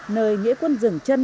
nơi nghĩa quân rừng chân